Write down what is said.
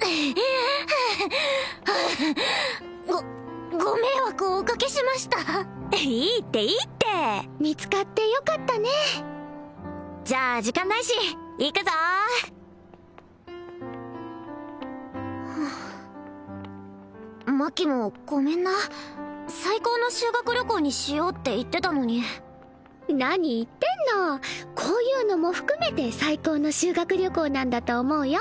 はあはあごご迷惑をおかけしましたいいっていいって見つかってよかったねじゃあ時間ないし行くぞはあマキもごめんな最高の修学旅行にしようって言ってたのに何言ってんのこういうのも含めて最高の修学旅行なんだと思うよ